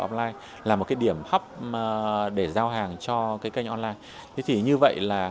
đó là một điểm hấp để giao hàng cho kênh online